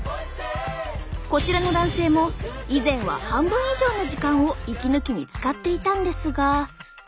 こちらの男性も以前は半分以上の時間を息抜きに使っていたんですが。